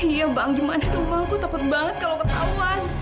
iya bang gimana dong bang aku takut banget kalau ketahuan